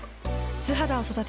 素肌を育てる。